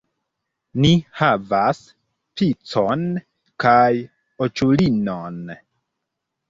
Ni havas picon kaj aĉulinon